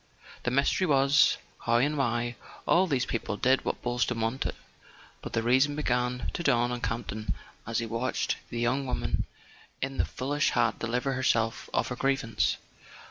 The mystery was, how and why all these people did what Boylston wanted; but the reason began to dawn on Campton as he watched the young woman in the foolish hat deliver herself of her grievance.